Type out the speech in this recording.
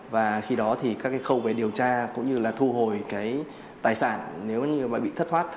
và khi đó thì các cái khâu về điều tra cũng như là thu hồi cái tài sản nếu như mà bị thất thoát